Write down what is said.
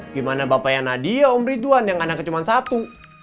gimana bapaknya nadia om ridwan yang anaknya cuma satu